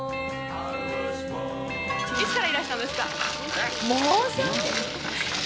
いつからいらしたんですか？